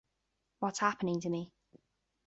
What's happening to me?